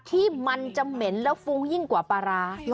ที่มันจะเหม็นแล้วฟู้ยิ่งกว่าปลาร้า